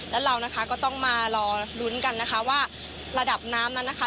และเรานะคะก็ต้องมารอลุ้นกันนะคะว่าระดับน้ำนั้นนะคะ